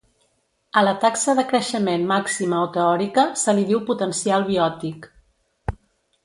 A la taxa de creixement màxima o teòrica se li diu potencial biòtic.